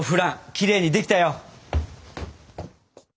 きれいにできたよ！